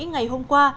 ngày hôm nay